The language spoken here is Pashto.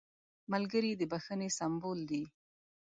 ملګری د بښنې سمبول دی